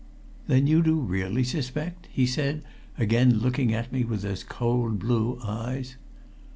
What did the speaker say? "Then you do really suspect?" he said, again looking at me with those cold, blue eyes.